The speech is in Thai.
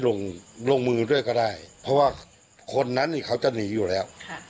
ลงลงมือด้วยก็ได้เพราะว่าคนนั้นนี่เขาจะหนีอยู่แล้ว